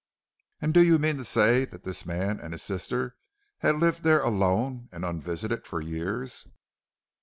"'And do you mean to say that this man and his sister have lived there alone and unvisited for years?'